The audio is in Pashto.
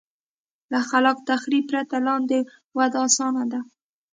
له خلاق تخریب پرته لاندې وده اسانه ده.